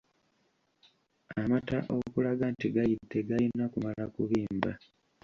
Amata okulaga nti gayidde gayina kumala kubimba.